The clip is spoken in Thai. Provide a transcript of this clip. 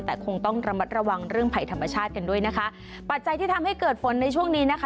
แต่คงต้องระมัดระวังเรื่องภัยธรรมชาติกันด้วยนะคะปัจจัยที่ทำให้เกิดฝนในช่วงนี้นะคะ